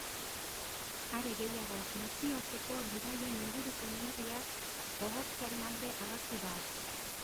Are gehiago, nazioarteko bidaien inguruko neurriak gogortzearen alde agertu da.